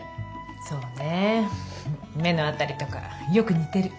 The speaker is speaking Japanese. そうね目のあたりとかよくにてる。